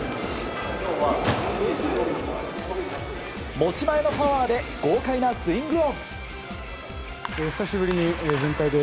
持ち前のパワーで豪快なスイング音。